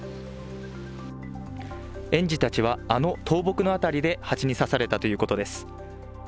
園児たちはあの倒木の辺りでハチに刺されたということです。